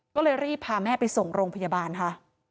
ก็เลยรีบพาแม่ไปส่งโรงพยาบาลค่ะ